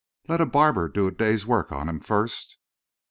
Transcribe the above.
"Let a barber do a day's work on him first."